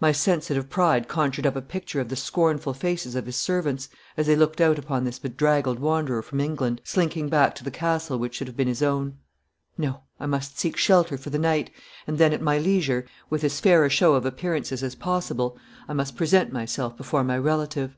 My sensitive pride conjured up a picture of the scornful faces of his servants as they looked out upon this bedraggled wanderer from England slinking back to the castle which should have been his own. No, I must seek shelter for the night, and then at my leisure, with as fair a show of appearances as possible, I must present myself before my relative.